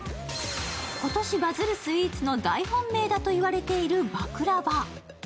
今年バズるスイーツの大本命だと言われているバクラヴァ。